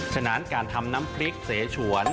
ฉะนั้นการทำน้ำพริกเสฉวน